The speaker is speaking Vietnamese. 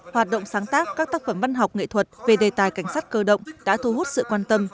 hoạt động sáng tác các tác phẩm văn học nghệ thuật về đề tài cảnh sát cơ động đã thu hút sự quan tâm